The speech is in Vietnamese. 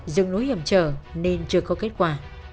rừng núi hiểm trở nên chưa có kết quả